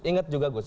ingat juga gus